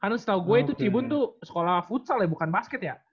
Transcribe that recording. kan lo setau gue tuh cibun tuh sekolah futsal ya bukan basket ya